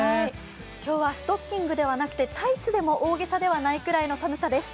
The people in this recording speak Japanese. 今日はストッキングではなくてタイツでも大げさではないぐらいの寒さです。